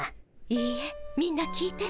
いいえみんな聞いて。